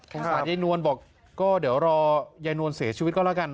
สารยายนวลบอกก็เดี๋ยวรอยายนวลเสียชีวิตก็แล้วกัน